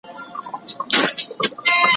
هم د كلي هم بلاوي د بيابان يو